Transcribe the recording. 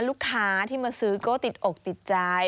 ลูกค้าที่มาซื้อก็ติดอกติดใจ